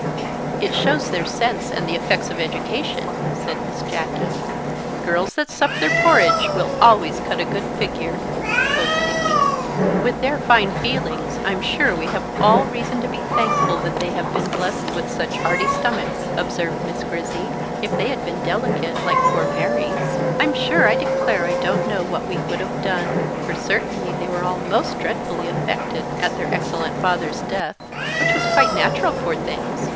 "It shows their sense and the effects of education," said Miss Jacky. "Girls that sup their porridge will always cut a good figure," quoth Nicky. "With their fine feelings I'm sure we have all reason to be thankful that they have been blest with such hearty stomachs," observed Miss Grizzy; "if they had been delicate, like poor Mary's, I'm sure I declare I don't know what we would have done; for certainly they were all most dreadfully affected at their excellent father's death; which was quite natural, poor things!